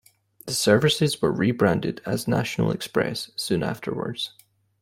The services were rebranded as National Express soon afterwards.